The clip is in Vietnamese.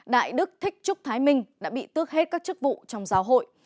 đại đức thích trúc thái minh đã bị tước hết các chức vụ trong giáo hội